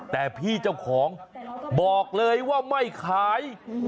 แต่พี่เจ้าของบอกเลยว่าไม่ขาย